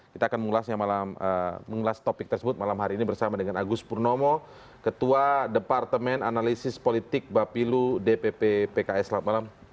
kita akan mengulas topik tersebut malam hari ini bersama dengan agus purnomo ketua departemen analisis politik bapilu dpp pks selamat malam